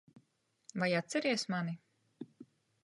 Vai atceries mani?